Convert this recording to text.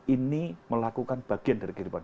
ini melakukan bagian dari kehidupan